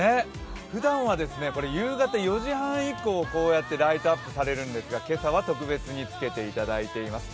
ふだんは夕方４時半以降、こうやってライトアップされるんですが今朝は特別につけていただいています。